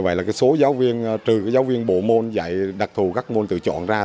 vậy là số giáo viên trừ giáo viên bộ môn dạy đặc thù các môn tự chọn ra